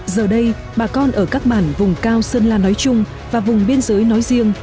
giờ đây bà con ở các bản vùng cao sơn la nói chung và vùng biên giới nói riêng